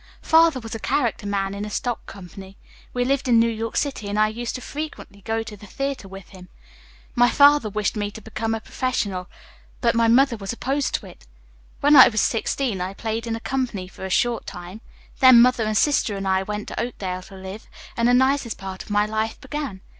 Father was a character man in a stock company. We lived in New York City and I used to frequently go to the theatre with him. My father wished me to become a professional, but my mother was opposed to it. When I was sixteen I played in a company for a short time. Then mother and sister and I went to Oakdale to live, and the nicest part of my life began.